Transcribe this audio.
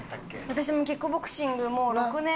私もキックボクシングもう６年くらい。